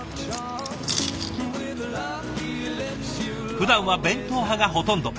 ふだんは弁当派がほとんど。